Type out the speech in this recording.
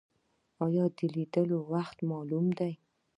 ایا د لیدلو وخت معلوم دی؟